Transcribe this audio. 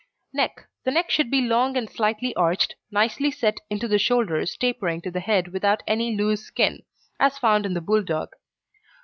NECK The neck should be long and slightly arched, nicely set into the shoulders tapering to the head without any loose skin, as found in the Bulldog.